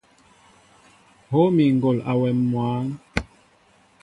Hów mi ŋgɔl awɛm mwǎn.